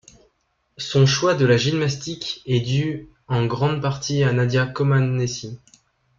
Son choix de la gymnastique est dû en grande partie à Nadia Comăneci.